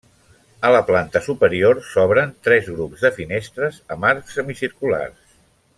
A la planta superior s'obren tres grups de finestres amb arcs semicirculars.